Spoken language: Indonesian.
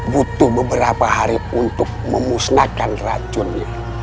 butuh beberapa hari untuk memusnahkan racunnya